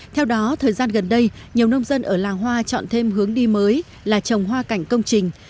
theo đó thời gian gần đây nhiều nông dân ở làng hoa chọn thêm hướng đi mới là trồng hoa cảnh công trình